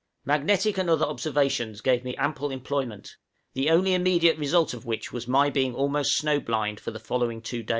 Magnetic and other observations gave me ample employment, the only immediate result of which was my being almost snow blind for the two following days.